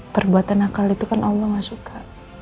perbuatan nakal itu kan allah gak suka